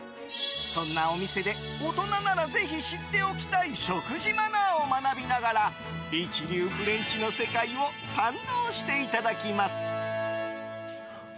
そんなお店で大人ならぜひ知っておきたい食事マナーを学びながら一流フレンチの世界を堪能していただきます。